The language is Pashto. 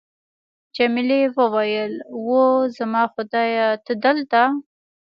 جميلې وويل:: اوه، زما خدایه، ته دلته!